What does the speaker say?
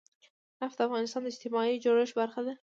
نفت د افغانستان د اجتماعي جوړښت برخه ده.